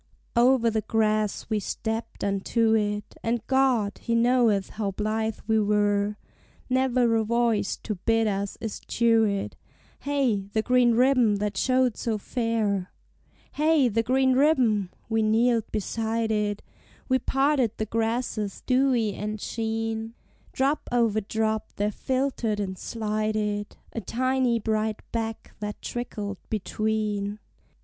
Over the grass we stepped unto it, And God, He knoweth how blithe we were! Never a voice to bid us eschew it; Hey the green ribbon that showed so fair! Hey the green ribbon! we kneeled beside it, We parted the grasses dewy and sheen: Drop over drop there filtered and slided A tiny bright beck that trickled between.